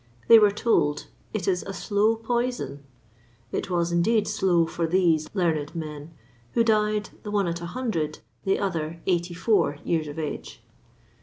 They were told, it is a slow poison; it was indeed slow for these learned men, who died, the one at a hundred, the other eighty four years of age.